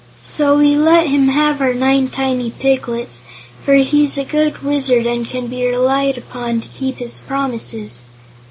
So we let him have our nine tiny piglets, for he's a good Wizard and can be relied upon to keep his promises."